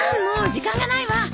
時間がないわ。